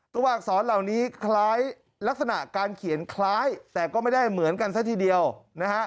ตัวอักษรเหล่านี้คล้ายลักษณะการเขียนคล้ายแต่ก็ไม่ได้เหมือนกันซะทีเดียวนะฮะ